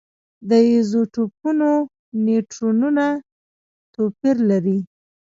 د ایزوټوپونو نیوټرونونه توپیر لري.